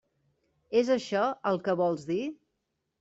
És això el que vols dir?